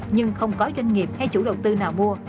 nhưng không có doanh nghiệp hay chủ đầu tư nào mua